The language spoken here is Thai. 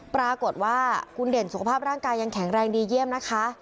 ปรากฏว่าคุณเด่นสุขภาพร่างกายยังแข็งแรงดีเยี่ยมนะคะ